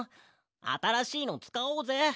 あたらしいのつかおうぜ。